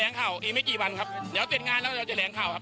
ตรงนี้ไม่กี่วันครับเดี๋ยวเตรียดงานวะจะถาแล้งข่าวครับ